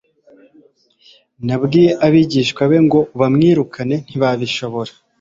nabwiye abigishwa bawe ngo bamwirukane, ntibabishobora. »